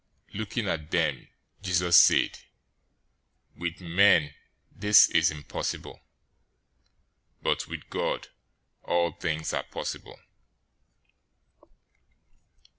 019:026 Looking at them, Jesus said, "With men this is impossible, but with God all things are possible."